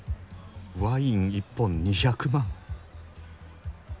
ワイン一本２００万！？